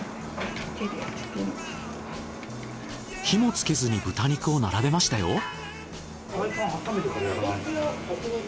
火もつけずに豚肉を並べましたよ。